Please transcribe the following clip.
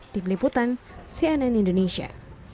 tim liputan cnn indonesia